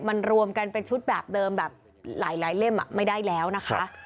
มันรวมกันเป็นชุดแบบเดิมแบบหลายเล่มไม่ได้แล้วนะคะ